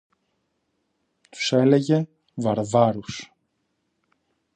Τους έλεγε «βαρβάρους»